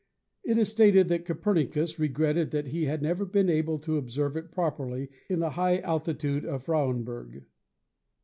It is stated that Copernicus regretted that he had never been able to observe it properly in the high altitude of Frauenburg.